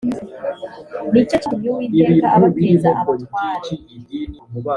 ni cyo cyatumye uwiteka abateza abatware